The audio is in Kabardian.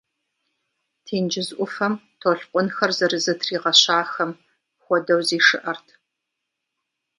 Тенджыз ӏуфэм толъкъунхэр зэрызэтригъэщахэм хуэдэу зишыӏэрт.